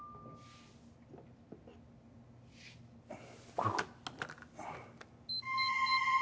これか。